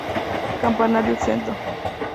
Campanario exento.